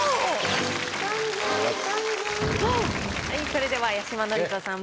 それでは八嶋智人さん